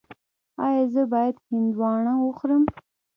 ایا زه باید هندواڼه وخورم؟